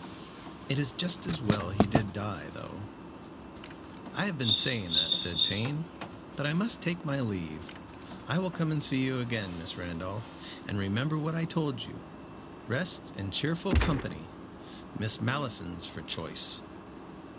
"It is just as well he did die, though." "I have been saying that," said Payne; "but I must take my leave. I will come and see you again, Miss Randolph, and remember what I told you. Rest and cheerful company Miss Malleson's for choice."